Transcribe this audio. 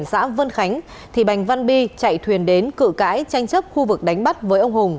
xã vân khánh thì bành văn bi chạy thuyền đến cự cãi tranh chấp khu vực đánh bắt với ông hùng